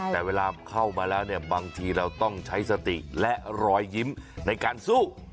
แต่เวลาเข้ามาแล้วเนี่ยบางทีเราต้องใช้สติและรอยยิ้มในการสู้